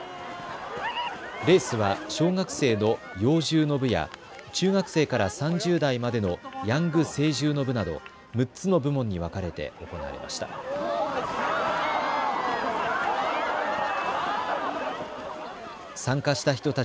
レースは小学生の幼獣の部や、中学生から３０代までのヤング成獣の部など６つの部門に分かれて行われました。